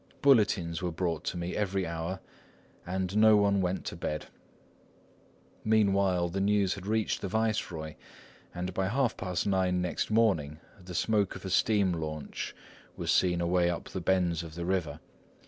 Bulletins were brought to me every hour, and no one went to bed. Meanwhile the news had reached the viceroy, and by half past nine next morning the smoke of a steam launch was seen away up the bends of the river.